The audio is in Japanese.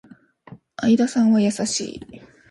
相田さんは優しい